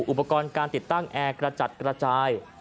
อุปกรณ์การติดตั้งแอร์กระจัดกระจาย